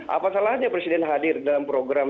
apa salahnya presiden hadir dalam program